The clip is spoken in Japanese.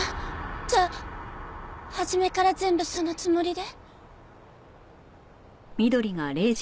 じゃあ初めから全部そのつもりで？